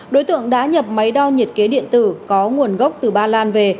đối tượng đã nhập máy đo nhiệt kế điện tử có nguồn gốc từ ba lan về